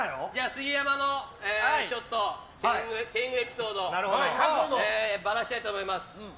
杉山の天狗エピソードばらしたいと思います。